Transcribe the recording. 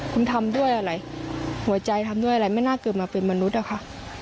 คุณทำด้วยอะไรหัวใจทำด้วยอะไรไม่น่าเกิดมาเป็นมนุษย์อะค่ะ